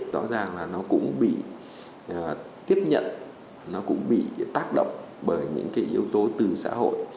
rõ ràng là nó cũng bị tiếp nhận nó cũng bị tác động bởi những cái yếu tố từ xã hội